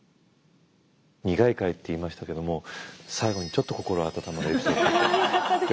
苦い回って言いましたけども最後にちょっと心温まるエピソードでよかったです。